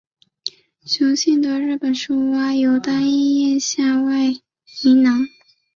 雄性的日本树蛙有单一咽下外鸣囊。